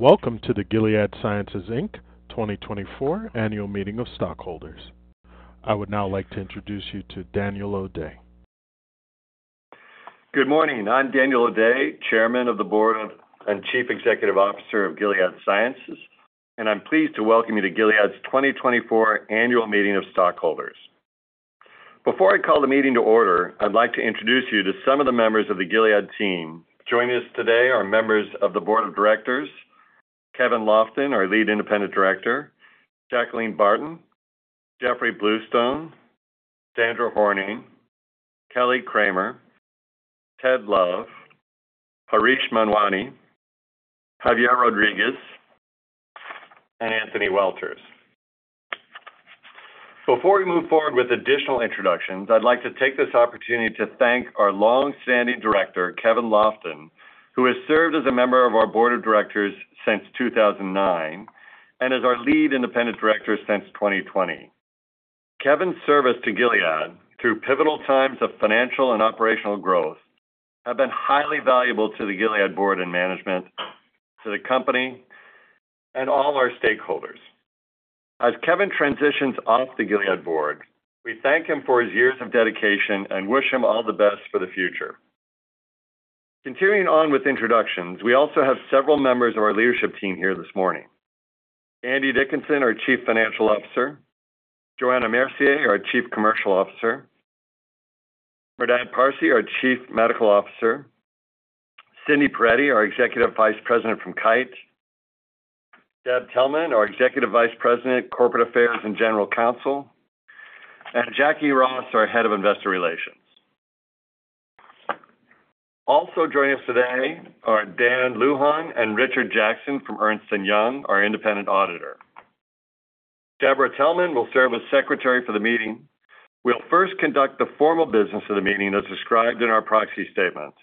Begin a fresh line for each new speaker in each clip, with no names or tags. Welcome to the Gilead Sciences, Inc., 2024 Annual Meeting of Stockholders. I would now like to introduce you to Daniel O'Day.
Good morning. I'm Daniel O'Day, Chairman of the Board and Chief Executive Officer of Gilead Sciences, and I'm pleased to welcome you to Gilead's 2024 Annual Meeting of Stockholders. Before I call the meeting to order, I'd like to introduce you to some of the members of the Gilead team. Joining us today are members of the Board of Directors: Kevin Lofton, our lead independent director; Jacqueline Barton; Jeffrey Bluestone; Sandra Horning; Kelly Kramer; Ted Love; Harish Manwani; Javier Rodriguez; and Anthony Welters. Before we move forward with additional introductions, I'd like to take this opportunity to thank our longstanding director, Kevin Lofton, who has served as a member of our Board of Directors since 2009 and as our lead independent director since 2020. Kevin's service to Gilead through pivotal times of financial and operational growth has been highly valuable to the Gilead Board and management, to the company, and all our stakeholders. As Kevin transitions off the Gilead Board, we thank him for his years of dedication and wish him all the best for the future. Continuing on with introductions, we also have several members of our leadership team here this morning: Andy Dickinson, our Chief Financial Officer; Johanna Mercier, our Chief Commercial Officer; Merdad Parsey, our Chief Medical Officer; Cindy Perettie, our Executive Vice President from Kite; Deb Telman, our Executive Vice President, Corporate Affairs and General Counsel; and Jacquie Ross, our Head of Investor Relations. Also joining us today are Dan Lujan and Richard Jackson from Ernst & Young, our independent auditor. Deborah Telman will serve as secretary for the meeting. We'll first conduct the formal business of the meeting as described in our proxy statement.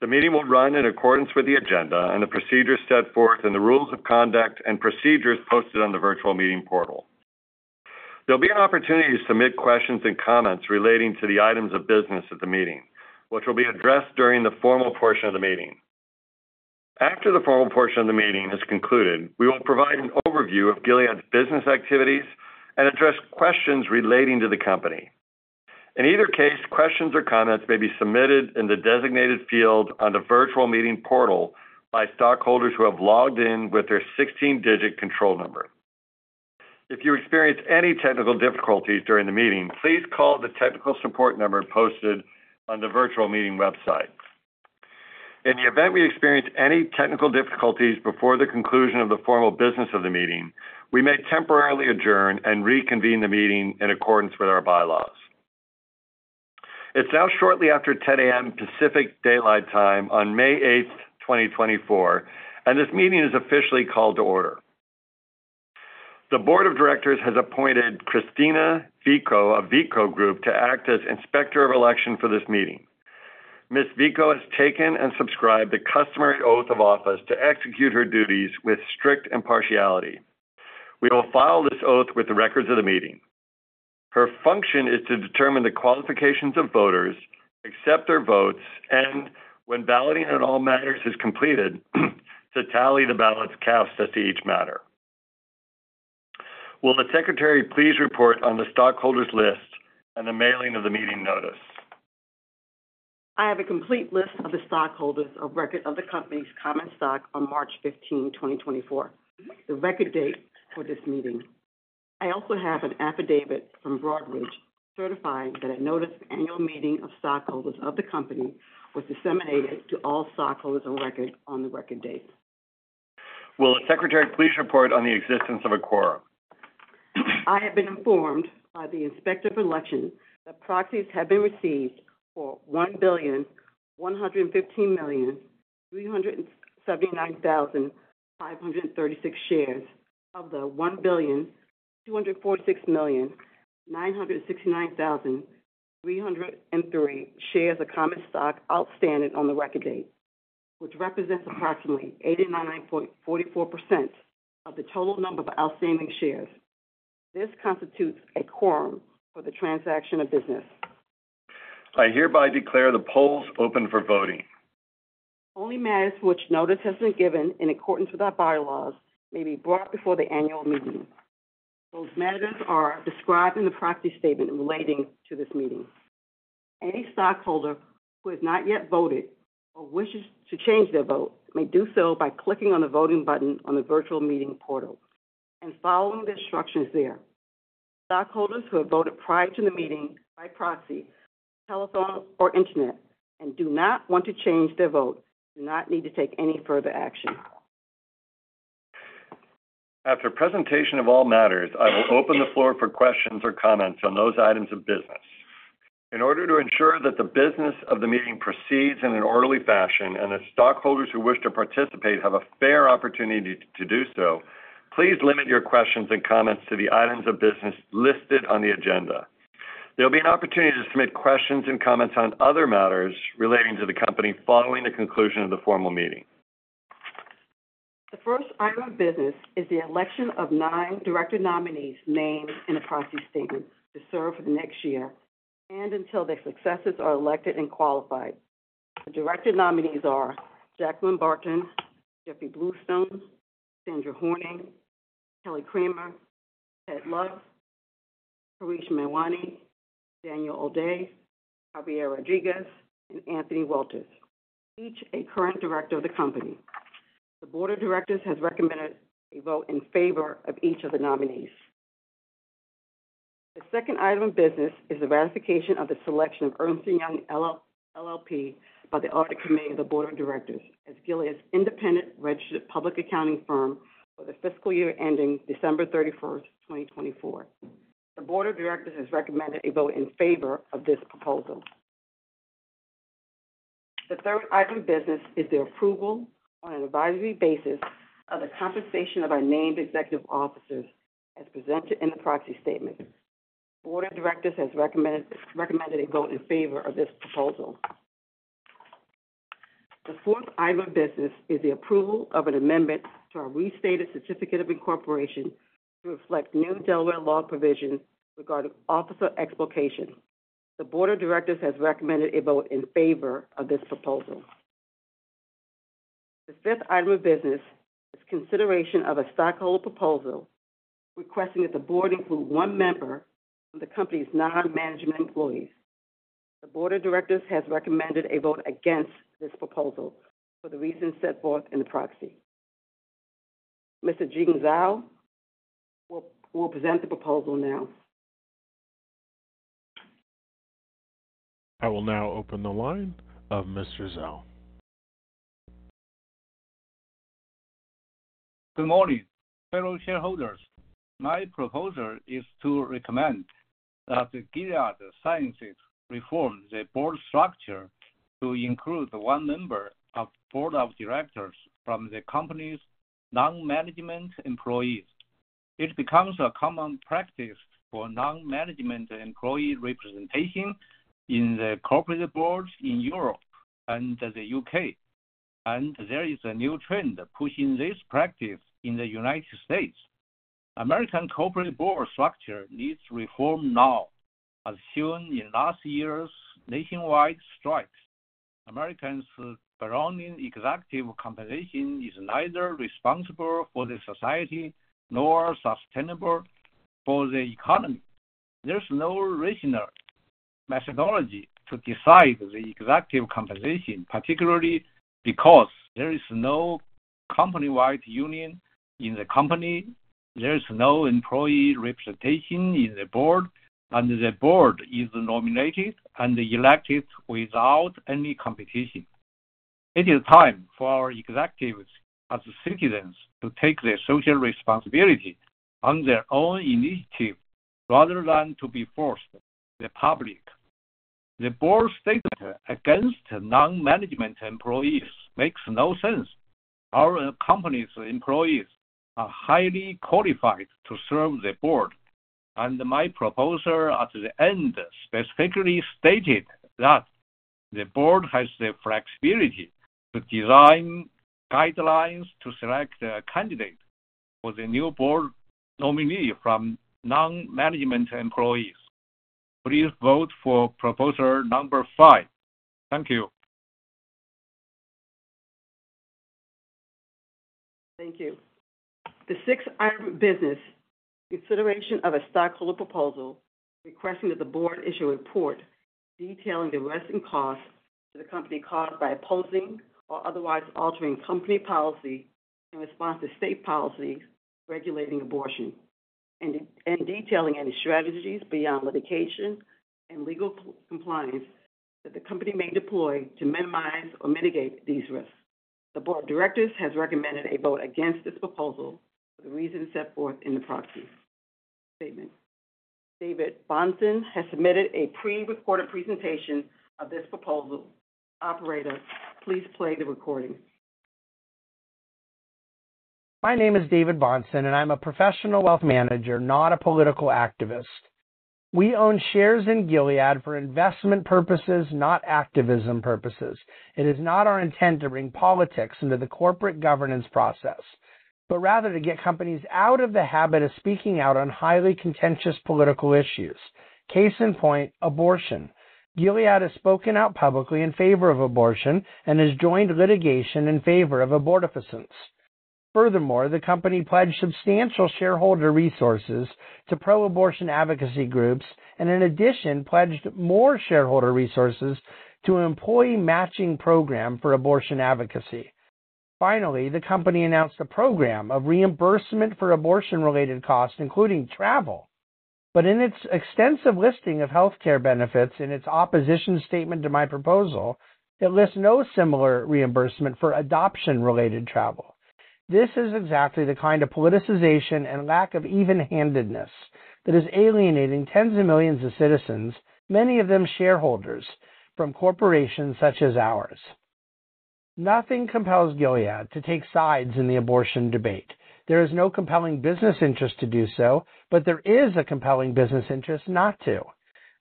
The meeting will run in accordance with the agenda and the procedures set forth in the Rules of Conduct and Procedures posted on the virtual meeting portal. There'll be an opportunity to submit questions and comments relating to the items of business at the meeting, which will be addressed during the formal portion of the meeting. After the formal portion of the meeting has concluded, we will provide an overview of Gilead's business activities and address questions relating to the company. In either case, questions or comments may be submitted in the designated field on the virtual meeting portal by stockholders who have logged in with their 16-digit control number. If you experience any technical difficulties during the meeting, please call the technical support number posted on the virtual meeting website. In the event we experience any technical difficulties before the conclusion of the formal business of the meeting, we may temporarily adjourn and reconvene the meeting in accordance with our bylaws. It's now shortly after 10:00 A.M. Pacific Daylight Time on May 8th, 2024, and this meeting is officially called to order. The Board of Directors has appointed Kristina Veaco of Veaco Group to act as inspector of election for this meeting. Ms. Veaco has taken and subscribed the customary oath of office to execute her duties with strict impartiality. We will file this oath with the records of the meeting. Her function is to determine the qualifications of voters, accept their votes, and, when validating in all matters is completed, to tally the ballots cast as to each matter. Will the secretary please report on the stockholders list and the mailing of the meeting notice?
I have a complete list of the stockholders of record of the company's common stock on March 15, 2024, the record date for this meeting. I also have an affidavit from Broadridge certifying that a notice of annual meeting of stockholders of the company was disseminated to all stockholders on record on the record date.
Will the secretary please report on the existence of a quorum?
I have been informed by the inspector of election that proxies have been received for 1,115,379,536 shares of the 1,246,969,303 shares of common stock outstanding on the record date, which represents approximately 89.44% of the total number of outstanding shares. This constitutes a quorum for the transaction of business.
I hereby declare the polls open for voting.
Only matters for which notice has been given in accordance with our bylaws may be brought before the annual meeting. Those matters are described in the proxy statement relating to this meeting. Any stockholder who has not yet voted or wishes to change their vote may do so by clicking on the voting button on the virtual meeting portal and following the instructions there. Stockholders who have voted prior to the meeting by proxy, telephone, or internet, and do not want to change their vote do not need to take any further action.
After presentation of all matters, I will open the floor for questions or comments on those items of business. In order to ensure that the business of the meeting proceeds in an orderly fashion and that stockholders who wish to participate have a fair opportunity to do so, please limit your questions and comments to the items of business listed on the agenda. There'll be an opportunity to submit questions and comments on other matters relating to the company following the conclusion of the formal meeting.
The first item of business is the election of nine director nominees named in the proxy statement to serve for the next year and until their successors are elected and qualified. The director nominees are Jacqueline Barton, Jeffrey Bluestone, Sandra Horning, Kelly Kramer, Ted Love, Harish Manwani, Daniel O'Day, Javier Rodriguez, and Anthony Welters, each a current director of the company. The Board of Directors has recommended a vote in favor of each of the nominees. The second item of business is the ratification of the selection of Ernst & Young LLP by the Audit Committee of the Board of Directors as Gilead's independent registered public accounting firm for the fiscal year ending December 31st, 2024. The Board of Directors has recommended a vote in favor of this proposal. The third item of business is the approval, on an advisory basis, of the compensation of our named executive officers as presented in the proxy statement. The Board of Directors has recommended a vote in favor of this proposal. The fourth item of business is the approval of an amendment to our restated certificate of incorporation to reflect new Delaware law provisions regarding officer exculpation. The Board of Directors has recommended a vote in favor of this proposal. The fifth item of business is consideration of a stockholder proposal requesting that the board include one member from the company's non-management employees. The Board of Directors has recommended a vote against this proposal for the reasons set forth in the proxy. Mr. Jing Zhao will present the proposal now.
I will now open the line of Mr. Zhao.
Good morning, fellow shareholders. My proposal is to recommend that Gilead Sciences reform the board structure to include one member of the board of directors from the company's non-management employees. It becomes a common practice for non-management employee representation in the corporate boards in Europe and the UK, and there is a new trend pushing this practice in the United States. American corporate board structure needs reform now, as seen in last year's nationwide strikes. American ballooning executive compensation is neither responsible for the society nor sustainable for the economy. There's no rational methodology to decide the executive compensation, particularly because there is no company-wide union in the company. There is no employee representation in the board, and the board is nominated and elected without any competition. It is time for our executives as citizens to take their social responsibility on their own initiative rather than to be forced by the public. The board statement against non-management employees makes no sense. Our company's employees are highly qualified to serve the board, and my proposal at the end specifically stated that the board has the flexibility to design guidelines to select a candidate for the new board nominee from non-management employees. Please vote for proposal number five. Thank you.
Thank you. The sixth item of business: consideration of a stockholder proposal requesting that the board issue a report detailing the risks and costs to the company caused by opposing or otherwise altering company policy in response to state policies regulating abortion, and detailing any strategies beyond litigation and legal compliance that the company may deploy to minimize or mitigate these risks. The Board of Directors has recommended a vote against this proposal for the reasons set forth in the proxy statement. David Bahnsen has submitted a prerecorded presentation of this proposal. Operator, please play the recording.
My name is David Bahnsen, and I'm a professional wealth manager, not a political activist. We own shares in Gilead for investment purposes, not activism purposes. It is not our intent to bring politics into the corporate governance process, but rather to get companies out of the habit of speaking out on highly contentious political issues. Case in point: abortion. Gilead has spoken out publicly in favor of abortion and has joined litigation in favor of abortifacients. Furthermore, the company pledged substantial shareholder resources to pro-abortion advocacy groups and, in addition, pledged more shareholder resources to an employee matching program for abortion advocacy. Finally, the company announced a program of reimbursement for abortion-related costs, including travel. But in its extensive listing of healthcare benefits in its opposition statement to my proposal, it lists no similar reimbursement for adoption-related travel. This is exactly the kind of politicization and lack of even-handedness that is alienating tens of millions of citizens, many of them shareholders, from corporations such as ours. Nothing compels Gilead to take sides in the abortion debate. There is no compelling business interest to do so, but there is a compelling business interest not to.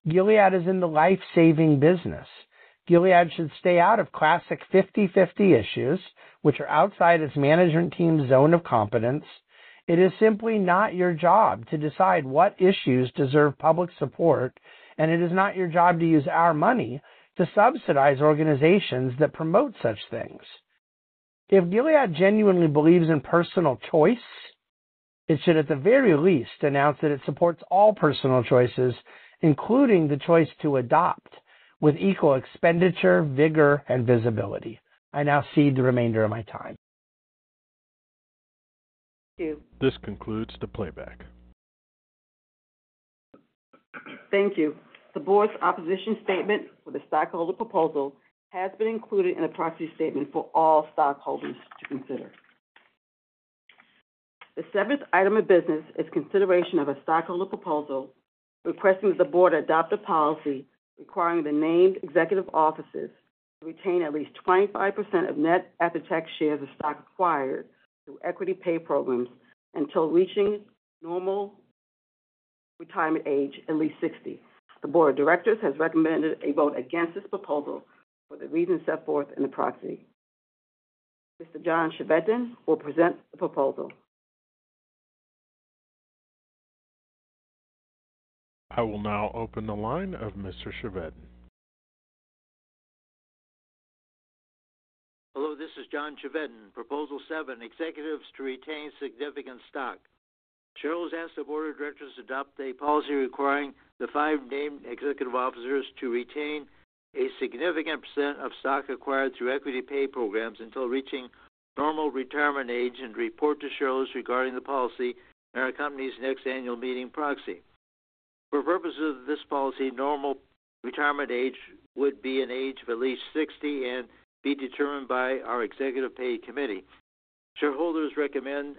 Gilead is in the life-saving business. Gilead should stay out of classic 50/50 issues, which are outside its management team's zone of competence. It is simply not your job to decide what issues deserve public support, and it is not your job to use our money to subsidize organizations that promote such things. If Gilead genuinely believes in personal choice, it should, at the very least, announce that it supports all personal choices, including the choice to adopt with equal expenditure, vigor, and visibility. I now cede the remainder of my time.
Thank you.
This concludes the playback.
Thank you. The board's opposition statement for the stockholder proposal has been included in the proxy statement for all stockholders to consider. The seventh item of business is consideration of a stockholder proposal requesting that the board adopt a policy requiring the named executive officers to retain at least 25% of net after-tax shares of stock acquired through equity pay programs until reaching normal retirement age, at least 60. The Board of Directors has recommended a vote against this proposal for the reasons set forth in the proxy. Mr. John Chevedden will present the proposal.
I will now open the line of Mr. Chevedden.
Hello. This is John Chevedden, proposal seven: executives to retain significant stock. Shareholders asked the Board of Directors to adopt a policy requiring the five named executive officers to retain a significant percent of stock acquired through equity pay programs until reaching normal retirement age and report to shareholders regarding the policy in our company's next annual meeting proxy. For purposes of this policy, normal retirement age would be an age of at least 60 and be determined by our executive pay committee. Shareholders recommend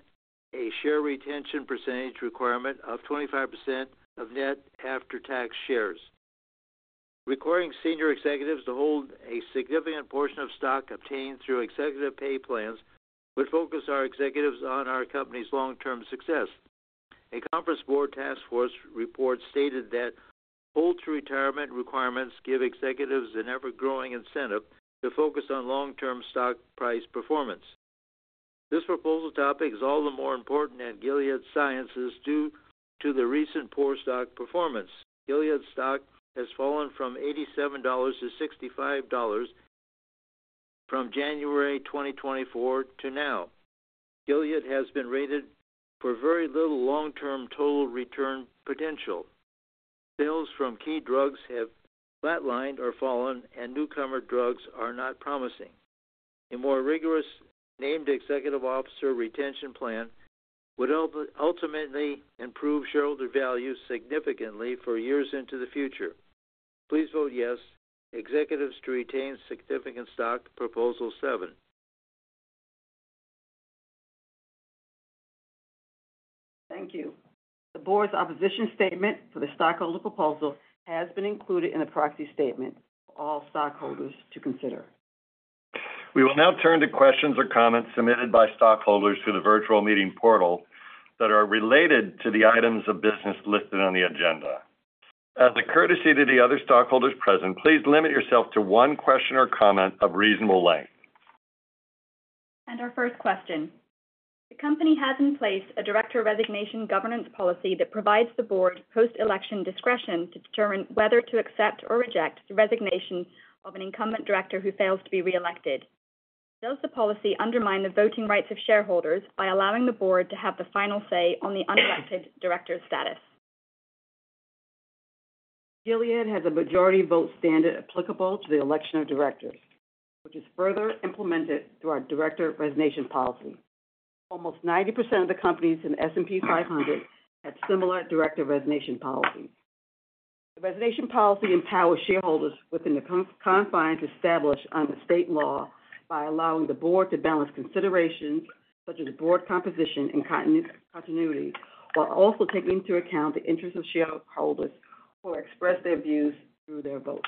a share retention percentage requirement of 25% of net after-tax shares. Requiring senior executives to hold a significant portion of stock obtained through executive pay plans would focus our executives on our company's long-term success. A Conference Board task force report stated that hold-to-retirement requirements give executives an ever-growing incentive to focus on long-term stock price performance. This proposal topic is all the more important at Gilead Sciences due to the recent poor stock performance. Gilead's stock has fallen from $87 to $65 from January 2024 to now. Gilead has been rated for very little long-term total return potential. Sales from key drugs have flatlined or fallen, and newcomer drugs are not promising. A more rigorous named executive officer retention plan would ultimately improve shareholder's value significantly for years into the future. Please vote yes, executives to retain significant stock, proposal seven.
Thank you. The board's opposition statement for the stockholder proposal has been included in the proxy statement for all stockholders to consider.
We will now turn to questions or comments submitted by stockholders through the virtual meeting portal that are related to the items of business listed on the agenda. As a courtesy to the other stockholders present, please limit yourself to one question or comment of reasonable length.
Our first question. The company has in place a director resignation governance policy that provides the board post-election discretion to determine whether to accept or reject the resignation of an incumbent director who fails to be reelected. Does the policy undermine the voting rights of shareholders by allowing the board to have the final say on the unelected director's status?
Gilead has a majority vote standard applicable to the election of directors, which is further implemented through our director resignation policy. Almost 90% of the companies in the S&P 500 have similar director resignation policies. The resignation policy empowers shareholders within the confines established under state law by allowing the board to balance considerations such as board composition and continuity while also taking into account the interests of shareholders who express their views through their vote.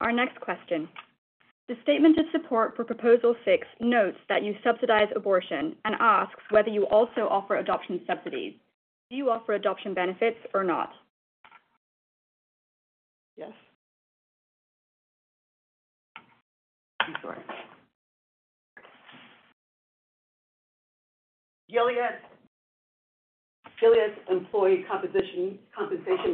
Our next question. The statement of support for proposal six notes that you subsidize abortion and asks whether you also offer adoption subsidies. Do you offer adoption benefits or not?
Yes. I'm sorry. Gilead's employee compensation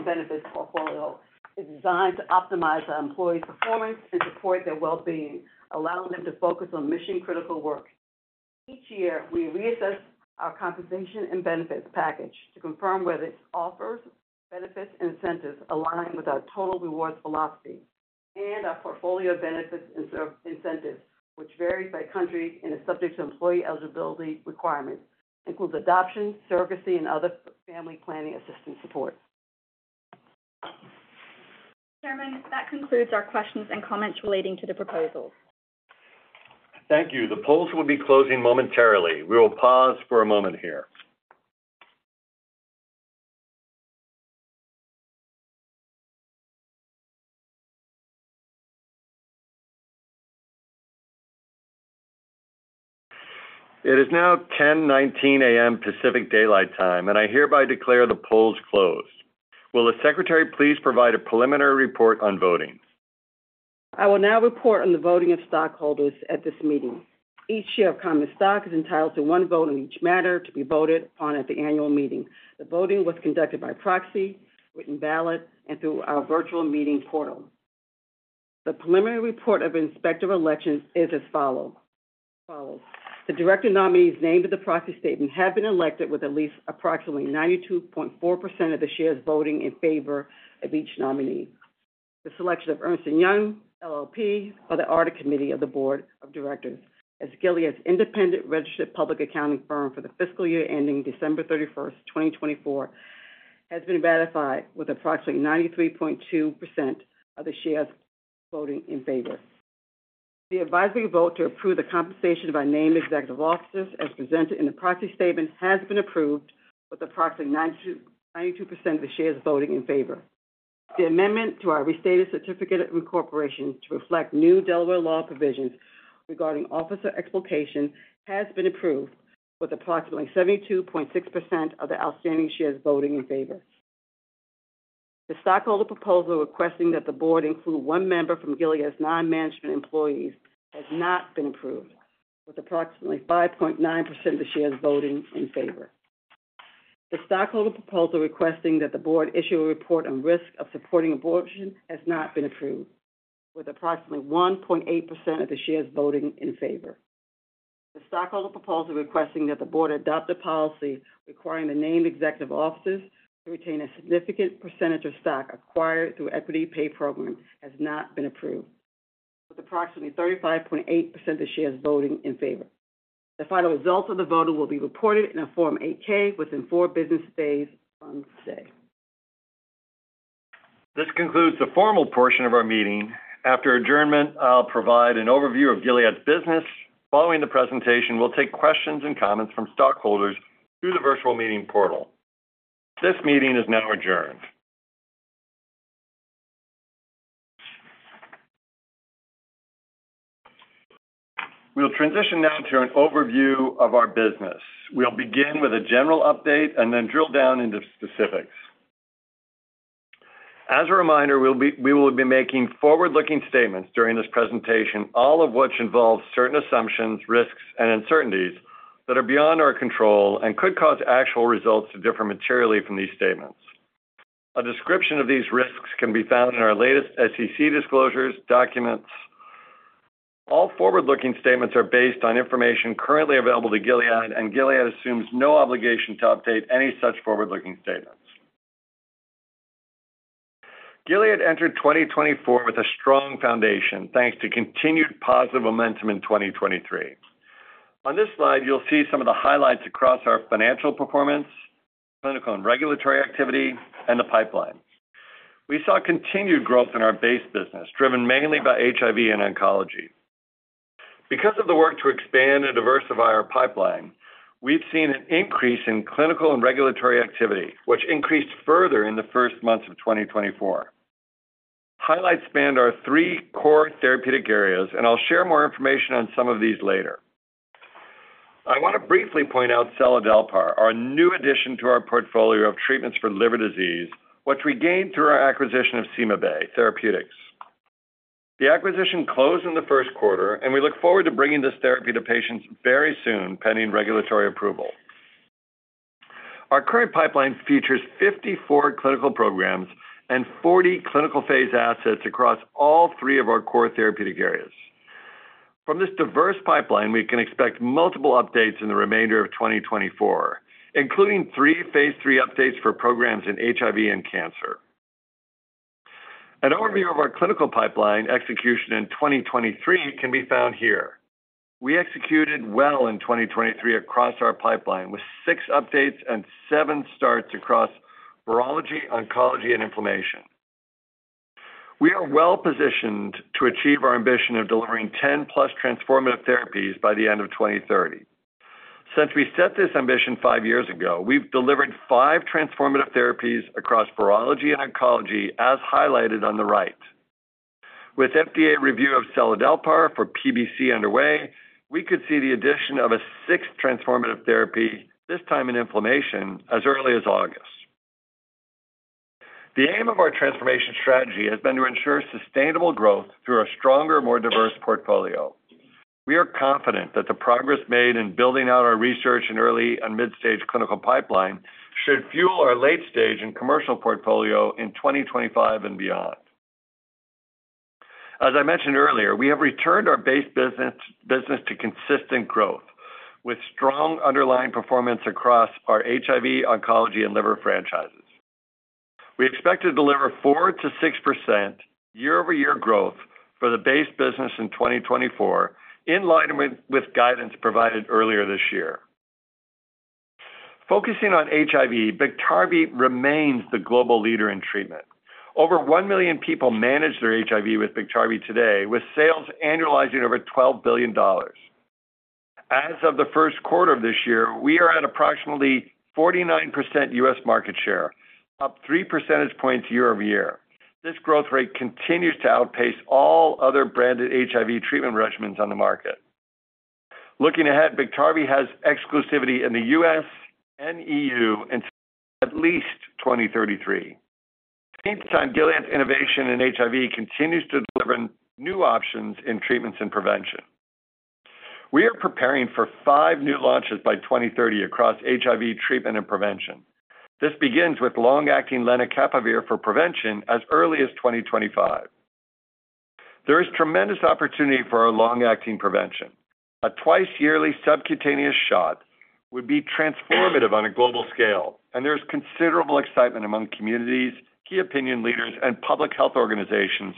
benefits portfolio is designed to optimize our employees' performance and support their well-being, allowing them to focus on mission-critical work. Each year, we reassess our compensation and benefits package to confirm whether its offers, benefits, and incentives align with our total rewards philosophy and our portfolio of benefits and incentives, which varies by country and is subject to employee eligibility requirements, includes adoption, surrogacy, and other family planning assistance support.
Chairman, that concludes our questions and comments relating to the proposal.
Thank you. The polls will be closing momentarily. We will pause for a moment here. It is now 10:19 A.M. Pacific Daylight Time, and I hereby declare the polls closed. Will the secretary please provide a preliminary report on voting?
I will now report on the voting of stockholders at this meeting. Each share of common stock is entitled to one vote on each matter to be voted upon at the annual meeting. The voting was conducted by proxy, written ballot, and through our virtual meeting portal. The preliminary report of inspector of election is as follows. The director nominees named in the proxy statement have been elected with at least approximately 92.4% of the shares voting in favor of each nominee. The selection of Ernst & Young LLP by the audit committee of the board of directors as Gilead's independent registered public accounting firm for the fiscal year ending December 31st, 2024, has been ratified with approximately 93.2% of the shares voting in favor. The advisory vote to approve the compensation of our named executive officers as presented in the proxy statement has been approved with approximately 92% of the shares voting in favor. The amendment to our restated certificate of incorporation to reflect new Delaware law provisions regarding officer exculpation has been approved with approximately 72.6% of the outstanding shares voting in favor. The stockholder proposal requesting that the board include one member from Gilead's non-management employees has not been approved with approximately 5.9% of the shares voting in favor. The stockholder proposal requesting that the board issue a report on risk of supporting abortion has not been approved with approximately 1.8% of the shares voting in favor. The stockholder proposal requesting that the board adopt a policy requiring the named executive officers to retain a significant percentage of stock acquired through equity pay programs has not been approved with approximately 35.8% of the shares voting in favor. The final results of the voting will be reported in a Form 8-K within four business days from today.
This concludes the formal portion of our meeting. After adjournment, I'll provide an overview of Gilead's business. Following the presentation, we'll take questions and comments from stockholders through the virtual meeting portal. This meeting is now adjourned. We'll transition now to an overview of our business. We'll begin with a general update and then drill down into specifics. As a reminder, we will be making forward-looking statements during this presentation, all of which involve certain assumptions, risks, and uncertainties that are beyond our control and could cause actual results to differ materially from these statements. A description of these risks can be found in our latest SEC disclosures documents. All forward-looking statements are based on information currently available to Gilead, and Gilead assumes no obligation to update any such forward-looking statements. Gilead entered 2024 with a strong foundation, thanks to continued positive momentum in 2023. On this slide, you'll see some of the highlights across our financial performance, clinical and regulatory activity, and the pipeline. We saw continued growth in our base business, driven mainly by HIV and oncology. Because of the work to expand and diversify our pipeline, we've seen an increase in clinical and regulatory activity, which increased further in the first months of 2024. Highlights span our three core therapeutic areas, and I'll share more information on some of these later. I want to briefly point out Seladelpar, our new addition to our portfolio of treatments for liver disease, which we gained through our acquisition of CymaBay Therapeutics. The acquisition closed in the first quarter, and we look forward to bringing this therapy to patients very soon pending regulatory approval. Our current pipeline features 54 clinical programs and 40 clinical phase assets across all three of our core therapeutic areas. From this diverse pipeline, we can expect multiple updates in the remainder of 2024, including three phase III updates for programs in HIV and cancer. An overview of our clinical pipeline execution in 2023 can be found here. We executed well in 2023 across our pipeline with six updates and seven starts across virology, oncology, and inflammation. We are well positioned to achieve our ambition of delivering 10+ transformative therapies by the end of 2030. Since we set this ambition five years ago, we've delivered five transformative therapies across virology and oncology, as highlighted on the right. With FDA review of Seladelpar for PBC underway, we could see the addition of a sixth transformative therapy, this time in inflammation, as early as August. The aim of our transformation strategy has been to ensure sustainable growth through a stronger, more diverse portfolio. We are confident that the progress made in building out our research in early and mid-stage clinical pipeline should fuel our late-stage and commercial portfolio in 2025 and beyond. As I mentioned earlier, we have returned our base business to consistent growth with strong underlying performance across our HIV, oncology, and liver franchises. We expect to deliver 4%-6% year-over-year growth for the base business in 2024 in line with guidance provided earlier this year. Focusing on HIV, Biktarvy remains the global leader in treatment. Over 1 million people manage their HIV with Biktarvy today, with sales annualizing over $12 billion. As of the first quarter of this year, we are at approximately 49% U.S. market share, up 3 percentage points year-over-year. This growth rate continues to outpace all other branded HIV treatment regimens on the market. Looking ahead, Biktarvy has exclusivity in the U.S. and EU until at least 2033. Meantime, Gilead's innovation in HIV continues to deliver new options in treatments and prevention. We are preparing for five new launches by 2030 across HIV treatment and prevention. This begins with long-acting lenacapavir for prevention as early as 2025. There is tremendous opportunity for our long-acting prevention. A twice-yearly subcutaneous shot would be transformative on a global scale, and there is considerable excitement among communities, key opinion leaders, and public health organizations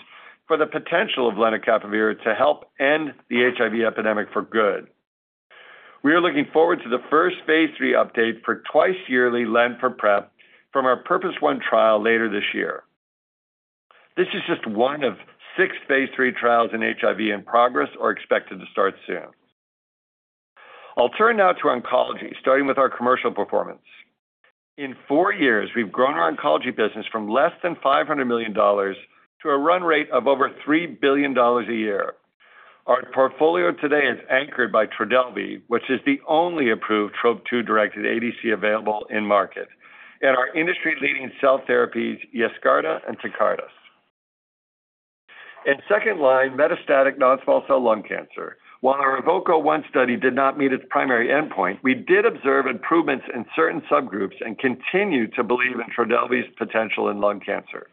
for the potential of lenacapavir to help end the HIV epidemic for good. We are looking forward to the first phase III update for twice-yearly lenacapavir for PrEP from our PURPOSE 1 trial later this year. This is just one of six phase III trials in HIV in progress or expected to start soon. I'll turn now to oncology, starting with our commercial performance. In four years, we've grown our oncology business from less than $500 million to a run rate of over $3 billion a year. Our portfolio today is anchored by Trodelvy, which is the only approved TROP-2 directed ADC available in market, and our industry-leading cell therapies, Yescarta and Tecartus. In second line, metastatic non-small cell lung cancer. While our EVOKE-01 study did not meet its primary endpoint, we did observe improvements in certain subgroups and continue to believe in Trodelvy's potential in lung cancer.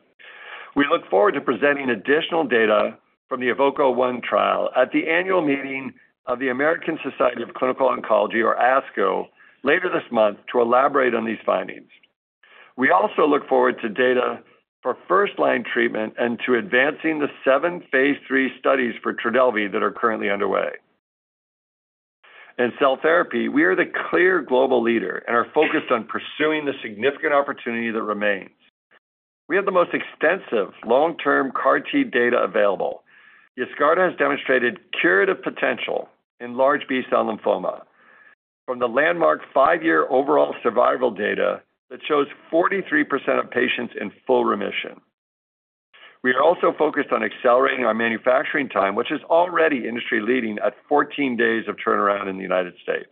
We look forward to presenting additional data from the EVOKE-01 trial at the annual meeting of the American Society of Clinical Oncology, or ASCO, later this month to elaborate on these findings. We also look forward to data for first-line treatment and to advancing the seven phase III studies for Trodelvy that are currently underway. In cell therapy, we are the clear global leader and are focused on pursuing the significant opportunity that remains. We have the most extensive long-term CAR-T data available. Yescarta has demonstrated curative potential in large B-cell lymphoma from the landmark 5-year overall survival data that shows 43% of patients in full remission. We are also focused on accelerating our manufacturing time, which is already industry-leading at 14 days of turnaround in the United States.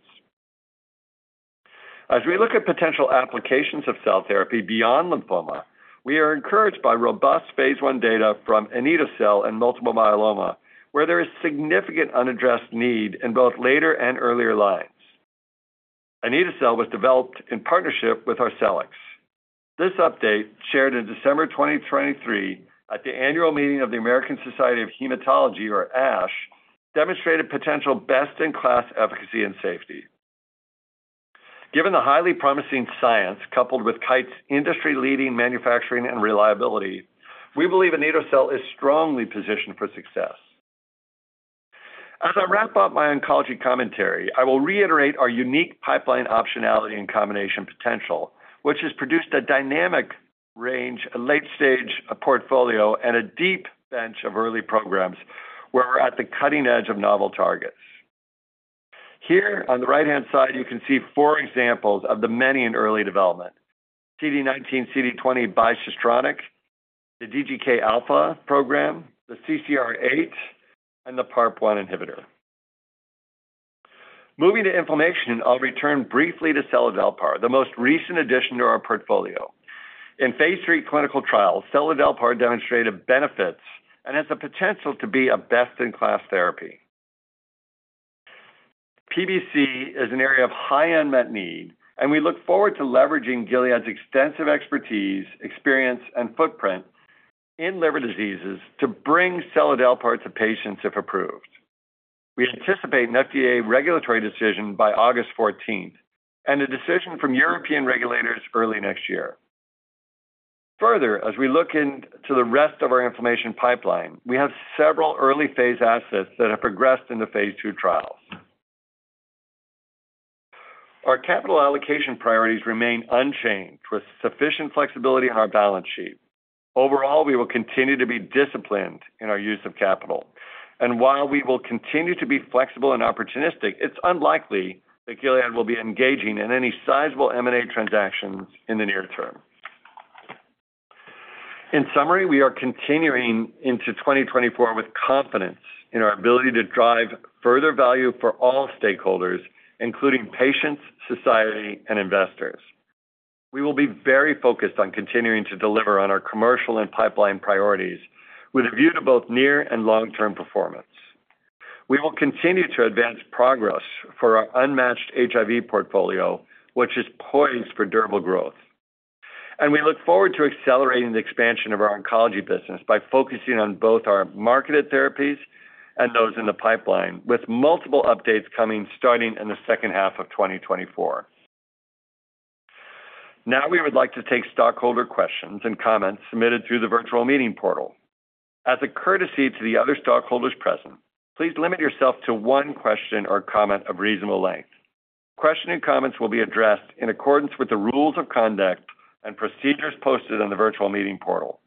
As we look at potential applications of cell therapy beyond lymphoma, we are encouraged by robust phase I data from Anito-cel and multiple myeloma, where there is significant unaddressed need in both later and earlier lines. Anito-cel was developed in partnership with Arcellx. This update, shared in December 2023 at the annual meeting of the American Society of Hematology, or ASH, demonstrated potential best-in-class efficacy and safety. Given the highly promising science coupled with Kite's industry-leading manufacturing and reliability, we believe anito-cel is strongly positioned for success. As I wrap up my oncology commentary, I will reiterate our unique pipeline optionality and combination potential, which has produced a dynamic range, a late-stage portfolio, and a deep bench of early programs where we're at the cutting edge of novel targets. Here on the right-hand side, you can see four examples of the many in early development: CD19, CD20 bicistronic, the DGK alpha program, the CCR8, and the PARP1 inhibitor. Moving to inflammation, I'll return briefly to seladelpar, the most recent addition to our portfolio. In phase III clinical trials, seladelpar demonstrated benefits and has the potential to be a best-in-class therapy. PBC is an area of high unmet need, and we look forward to leveraging Gilead's extensive expertise, experience, and footprint in liver diseases to bring seladelpar to patients if approved. We anticipate an FDA regulatory decision by August 14th and a decision from European regulators early next year. Further, as we look into the rest of our inflammation pipeline, we have several early-phase assets that have progressed into phase II trials. Our capital allocation priorities remain unchanged, with sufficient flexibility in our balance sheet. Overall, we will continue to be disciplined in our use of capital. And while we will continue to be flexible and opportunistic, it's unlikely that Gilead will be engaging in any sizable M&A transactions in the near term. In summary, we are continuing into 2024 with confidence in our ability to drive further value for all stakeholders, including patients, society, and investors. We will be very focused on continuing to deliver on our commercial and pipeline priorities with a view to both near and long-term performance. We will continue to advance progress for our unmatched HIV portfolio, which is poised for durable growth. We look forward to accelerating the expansion of our oncology business by focusing on both our marketed therapies and those in the pipeline, with multiple updates coming starting in the second half of 2024. Now we would like to take stockholder questions and comments submitted through the virtual meeting portal. As a courtesy to the other stockholders present, please limit yourself to one question or comment of reasonable length. Questions and comments will be addressed in accordance with the rules of conduct and procedures posted on the virtual meeting portal.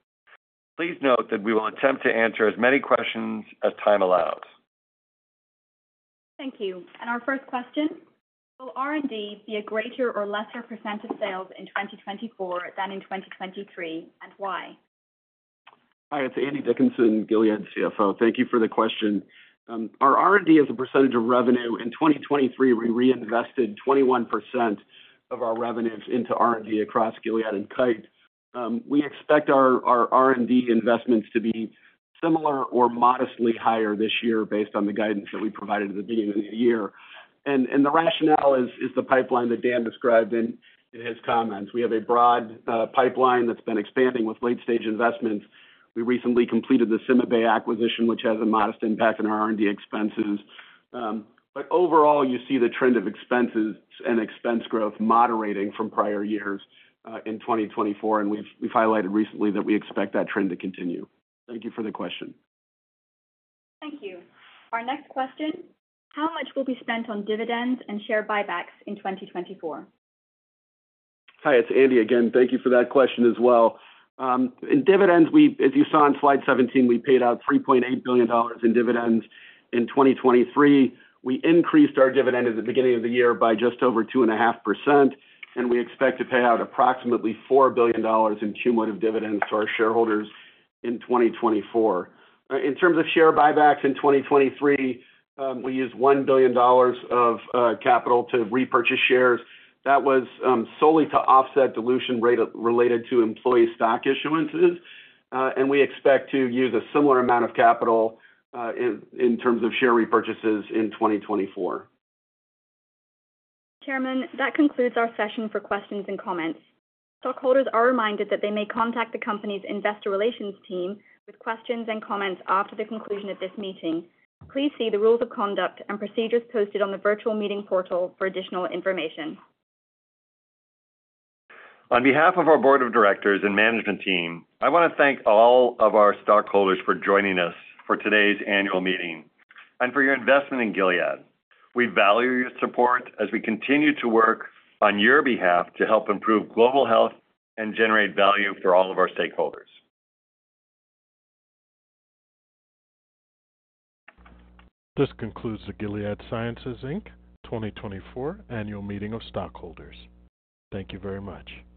Please note that we will attempt to answer as many questions as time allows.
Thank you. Our first question: Will R&D be a greater or lesser % of sales in 2024 than in 2023, and why?
Hi, it's Andrew Dickinson, Gilead CFO. Thank you for the question. Our R&D as a percentage of revenue, in 2023, we reinvested 21% of our revenues into R&D across Gilead and Kite. We expect our R&D investments to be similar or modestly higher this year based on the guidance that we provided at the beginning of the year. And the rationale is the pipeline that Dan described in his comments. We have a broad pipeline that's been expanding with late-stage investments. We recently completed the CymaBay acquisition, which has a modest impact on our R&D expenses. But overall, you see the trend of expenses and expense growth moderating from prior years in 2024, and we've highlighted recently that we expect that trend to continue. Thank you for the question.
Thank you. Our next question: How much will be spent on dividends and share buybacks in 2024?
Hi, it's Andy again. Thank you for that question as well. In dividends, as you saw on slide 17, we paid out $3.8 billion in dividends. In 2023, we increased our dividend at the beginning of the year by just over 2.5%, and we expect to pay out approximately $4 billion in cumulative dividends to our shareholders in 2024. In terms of share buybacks in 2023, we used $1 billion of capital to repurchase shares. That was solely to offset dilution rate related to employee stock issuances, and we expect to use a similar amount of capital in terms of share repurchases in 2024.
Chairman, that concludes our session for questions and comments. Stockholders are reminded that they may contact the company's investor relations team with questions and comments after the conclusion of this meeting. Please see the rules of conduct and procedures posted on the virtual meeting portal for additional information.
On behalf of our board of directors and management team, I want to thank all of our stockholders for joining us for today's annual meeting and for your investment in Gilead. We value your support as we continue to work on your behalf to help improve global health and generate value for all of our stakeholders.
This concludes the Gilead Sciences, Inc. 2024 annual meeting of stockholders. Thank you very much.